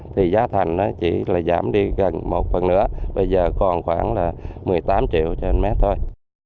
thì giá thành nó chỉ là giảm đi gần một phần nữa bây giờ còn khoảng là một mươi tám triệu trên mét thôi